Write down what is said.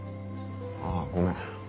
あぁごめん。